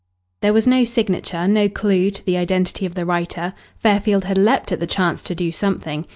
There was no signature, no clue to the identity of the writer. Fairfield had leapt at the chance to do something.